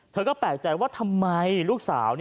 เธอก็แปลกใจว่าทำไมลูกสาว